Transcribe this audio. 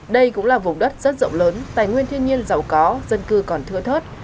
đây cũng là vùng đất rất rộng lớn tài nguyên thiên nhiên giàu có dân cư còn thưa thớt